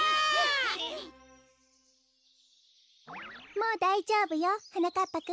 もうだいじょうぶよはなかっぱくん。